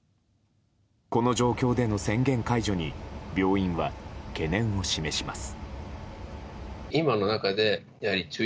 この状況での宣言解除に病院は懸念を示します。